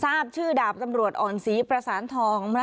ทราบชื่อดาบตำรวจอ่อนศรีประสานทอง